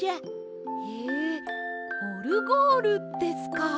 へえオルゴールですか。